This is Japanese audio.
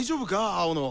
青野。